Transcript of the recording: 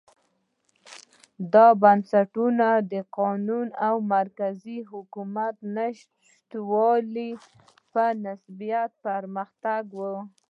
دا بنسټونه د قانون او مرکزي حکومت نشتوالي په نسبت پرمختګ و.